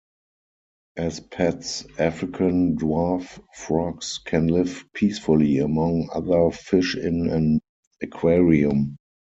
As pets, African dwarf frogs can live peacefully among other fish in an aquarium.